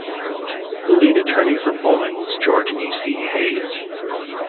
The lead attorney for Bolling was George E. C. Hayes.